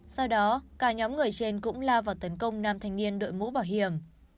sau đó cả nhóm người trên cũng lao vào tấn công nam thanh niên đội mũ bảo hiểm